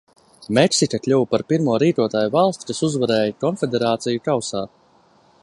Meksika kļuva par pirmo rīkotājvalsti, kas uzvarēja Konfederāciju kausā.